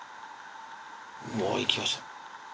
おっ、行きました。